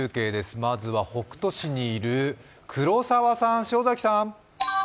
まずは北杜市にいる黒澤さん、塩崎さん。